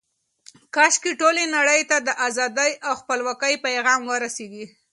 کاشکې ټولې نړۍ ته د ازادۍ او خپلواکۍ پیغام ورسیږي.